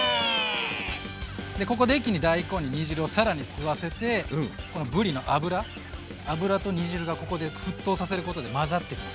ここで一気に大根に煮汁を更に吸わせてこのぶりの脂と煮汁がここで沸騰させることで混ざってきます。